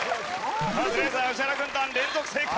カズレーザー＆宇治原軍団連続正解！